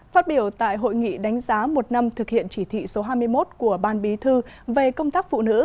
phát biểu tại hội nghị đánh giá một năm thực hiện chỉ thị số hai mươi một của ban bí thư về công tác phụ nữ